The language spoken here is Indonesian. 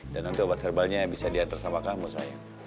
dan nanti obat herbalnya bisa diantar sama kamu sayang